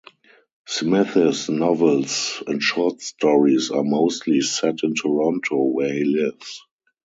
Smith's novels and short stories are mostly set in Toronto, where he lives.